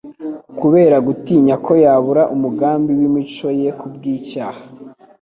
kubera gutinya ko yabura umugambi w'imico ye kubw' icyaha.